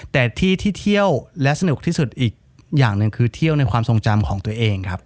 แต่ที่ที่เที่ยวและสนุกที่สุดอีกอย่างหนึ่งคือเที่ยวในความทรงจำของตัวเองครับ